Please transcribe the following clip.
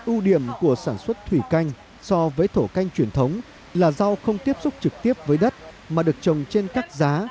ưu điểm của sản xuất thủy canh so với thổ canh truyền thống là rau không tiếp xúc trực tiếp với đất mà được trồng trên các giá